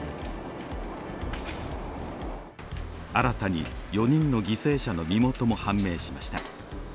新たに４人の犠牲者の身元も判明しました。